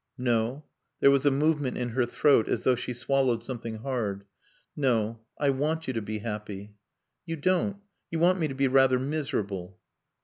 "No." There was a movement in her throat as though she swallowed something hard. "No. I want you to be happy." "You don't. You want me to be rather miserable."